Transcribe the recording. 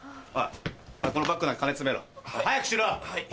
このバッグの中に金詰めろ早くしろ！